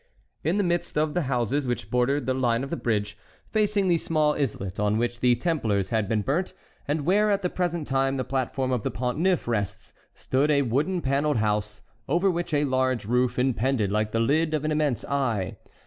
In the midst of the houses which bordered the line of the bridge, facing the small islet on which the Templers had been burnt, and where at the present time the platform of the Pont Neuf rests, stood a wooden panelled house over which a large roof impended like the lid of an immense eye.